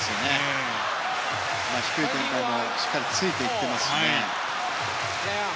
低い展開にもしっかりついていってますしね。